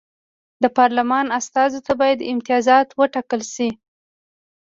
د پارلمان استازو ته باید امتیازات وټاکل شي.